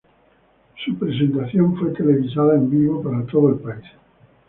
Su presentación fue televisada en vivo para todo el país.